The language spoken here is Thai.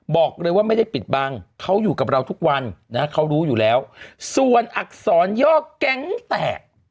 บอกเลยว่าไม่ได้ปิดบังเขาอยู่กับเราทุกวันนะเขารู้อยู่แล้วส่วนอักษรย่อแก๊งแตก